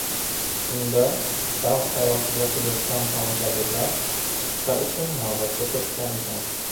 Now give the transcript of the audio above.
Shunda Sharqhayotiga qiziqqan tomoshabinlar chipta uchun navbatga turishgan ekan.